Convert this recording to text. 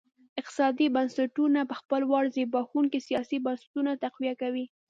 اقتصادي بنسټونه په خپل وار زبېښونکي سیاسي بنسټونه تقویه کوي.